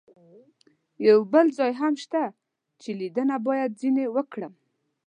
یو بل ځای هم شته چې لیدنه باید ځنې وکړم.